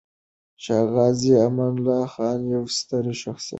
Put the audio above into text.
شاه غازي امان الله خان يو ستر شخصيت و.